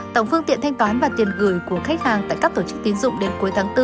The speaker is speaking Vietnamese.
tổng phương tiện thanh toán và tiền gửi của khách hàng tại các tổ chức tín dụng đến cuối tháng bốn